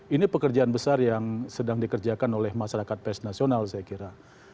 ini pekerjaan besar yang sedang dikerjakan oleh masyarakat pers nasional saya kira